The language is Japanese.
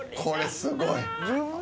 これすごい。